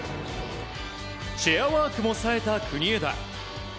チェアワークもさえた国枝。